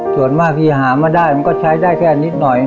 ส่วนมากที่หามาได้มันก็ใช้ได้แค่นิดหน่อย